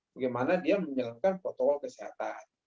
bagaimana dia menjalankan protokol kesehatan